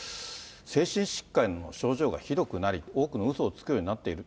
精神疾患の症状がひどくなり、多くのうそをつくようになっている。